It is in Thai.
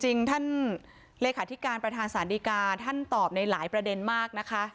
จริงท่านเลขาธิการประธานศาลดีกาท่านตอบในหลายประเด็นมากนะคะ